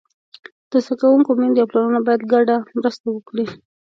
د زده کوونکو میندې او پلرونه باید ګډه مرسته وکړي.